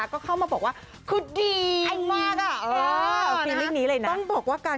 ก็เข้ามาก็บอกว่าก็ได้ต่อไปนะ